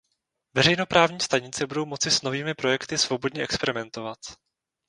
Veřejnoprávní stanice budou moci s novými projekty svobodně experimentovat.